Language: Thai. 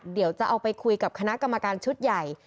เดี๋ยวจะเอาไปคุยกับคณะกรรมการชุดใหญ่